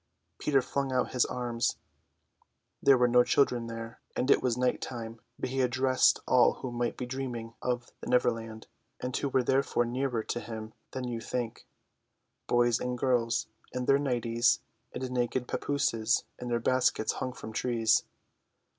Peter flung out his arms. There were no children there, and it was night time; but he addressed all who might be dreaming of the Neverland, and who were therefore nearer to him than you think: boys and girls in their nighties, and naked papooses in their baskets hung from trees.